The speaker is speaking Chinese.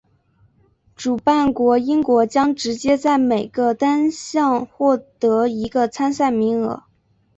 主办国英国将直接在每个单项获得一个参赛名额。